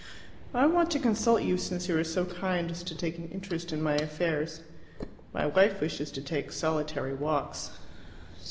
"I want to consult you since you are so kind as to take an interest in my affairs. My wife wishes to take solitary walks."